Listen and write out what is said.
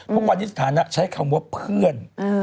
ทุกวันนี้สถานะใช้คำว่าเพื่อน